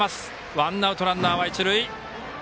ワンアウト、ランナーは一塁。